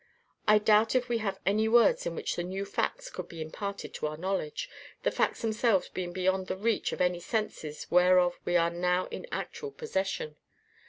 I doubt if we have any words in which the new facts could be imparted to our knowledge, the facts themselves being beyond the reach of any senses whereof we are now in actual possession.